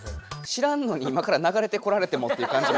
知らんのに今から流れてこられてもっていうかんじ。